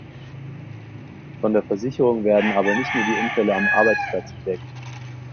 Von der Versicherung werden aber nicht nur die Unfälle am Arbeitsplatz gedeckt.